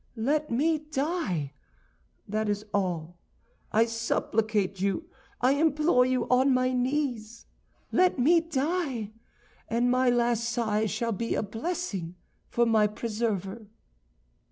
Let me die; that is all. I supplicate you, I implore you on my knees—let me die, and my last sigh shall be a blessing for my preserver."